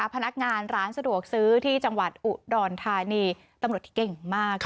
พนักงานร้านสะดวกซื้อที่จังหวัดอุดรธานีตำรวจเก่งมาก